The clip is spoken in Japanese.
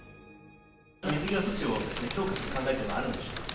水際措置を強化する考えというのはあるんでしょうか？